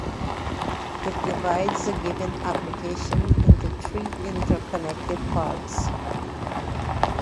It divides a given application into three interconnected parts.